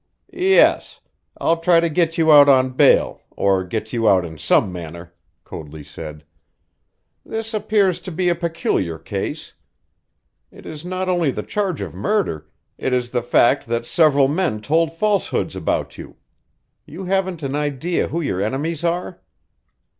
"Yes. I'll try to get you out on bail, or get you out in some manner," Coadley said. "This appears to be a peculiar case. It is not only the charge of murder; it is the fact that several men told falsehoods about you. You haven't an idea who your enemies are?"